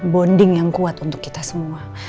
bonding yang kuat untuk kita semua